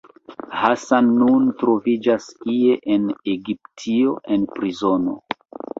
Hassan nun troviĝas ie en Egiptio, en prizono.